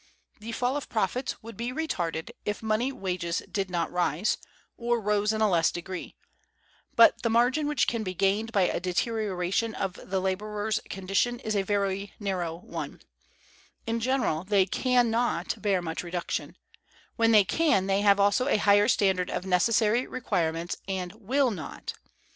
The fall of profits would be retarded if money wages did not rise, or rose in a less degree; but the margin which can be gained by a deterioration of the laborers' condition is a very narrow one: in general, they can not bear much reduction; when they can, they have also a higher standard of necessary requirements, and will not.